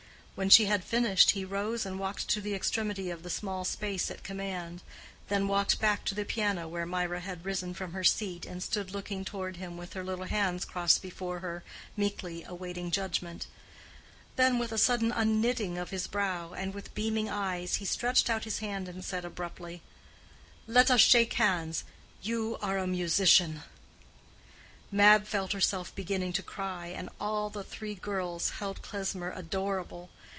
When she had finished he rose and walked to the extremity of the small space at command, then walked back to the piano, where Mirah had risen from her seat and stood looking toward him with her little hands crossed before her, meekly awaiting judgment; then with a sudden unknitting of his brow and with beaming eyes, he stretched out his hand and said abruptly, "Let us shake hands: you are a musician." Mab felt herself beginning to cry, and all the three girls held Klesmer adorable.